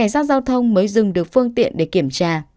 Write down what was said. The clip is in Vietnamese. xe giao thông mới dừng được phương tiện để kiểm tra